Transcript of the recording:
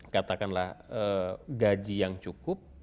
katakanlah gaji yang cukup